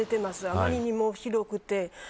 あまりにもひどくて。